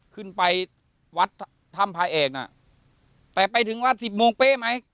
ขึ้นไปวัดธรรมภายแอกน่ะแต่ไปถึงวัด๑๐โมงเป๊ะไหม